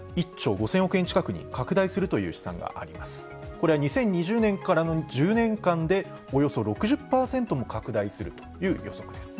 これは２０２０年からの１０年間でおよそ６０％も拡大するという予測です。